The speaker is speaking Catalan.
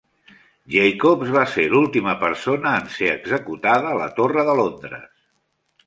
Jacobs va ser l'última persona en ser executada a la Torre de Londres.